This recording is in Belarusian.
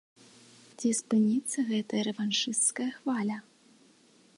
Дзе спыніцца гэтая рэваншысцкая хваля?